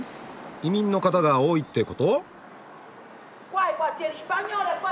移民の方が多いってこと？